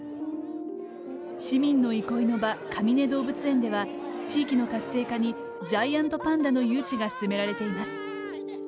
市民の憩いの場かみね動物園では地域の活性化にジャイアントパンダの誘致が進められています。